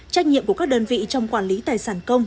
trách nhiệm của các đơn vị trong quản lý tài sản công